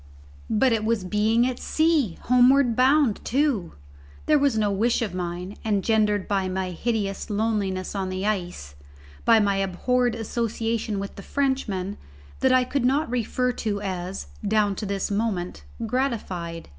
But it was being at sea! homeward bound too! There was no wish of mine, engendered by my hideous loneliness on the ice, by my abhorred association with the Frenchman, that I could not refer to as, down to this moment, gratified.